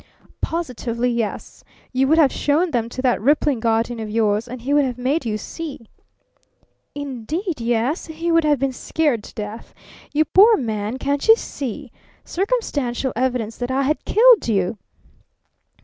"Positively yes. You would have shown them to that ripping guardian of yours, and he would have made you see." "Indeed, yes! He would have been scared to death. You poor man, can't you see? Circumstantial evidence that I had killed you!"